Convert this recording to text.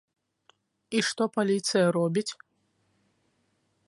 І што паліцыя робіць?